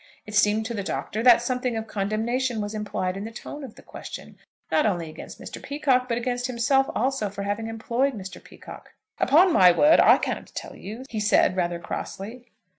It seemed to the Doctor that something of condemnation was implied in the tone of the question, not only against Mr. Peacocke, but against himself also, for having employed Mr. Peacocke. "Upon my word I can't tell you," he said, rather crossly.